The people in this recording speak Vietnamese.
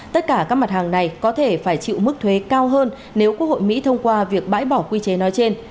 tất cả các mặt hàng này có thể phải chịu mức thuế cao hơn nếu quốc hội mỹ thông qua việc bãi bỏ quy chế nói trên